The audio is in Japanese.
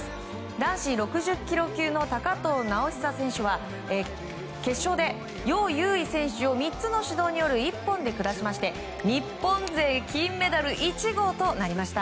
男子６０ｋｇ級の高藤直寿選手は決勝でヨウ・ユウイ選手を３つの指導による一本で下しまして日本勢金メダル１号となりました。